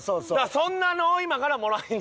そんなのを今からもらいに。